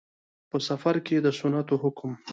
په. سفر کې د سنتو حکم